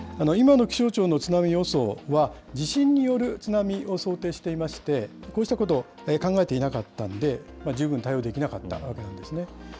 今の気象庁の津波予想は、地震による津波を想定していまして、こうしたこと、考えていなかったんで、十分対応できなかったんだと思うんですね。